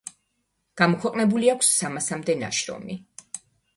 გამოქვეყნებული აქვს სამასამდე ნაშრომი.